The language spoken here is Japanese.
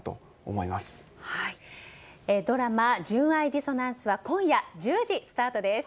「純愛ディソナンス」は今夜１０時スタートです。